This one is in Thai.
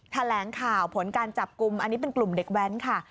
แถลงข่าวผลการจับกลุ่มอันนี้เป็นกลุ่มเด็กแว้นค่ะ